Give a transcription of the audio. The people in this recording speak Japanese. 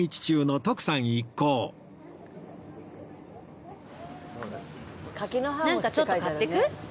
なんかちょっと買ってく？